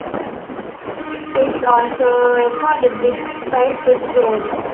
Pierce also recorded with Cypress Grove.